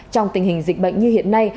trong tình hình dịch bệnh như hiện nay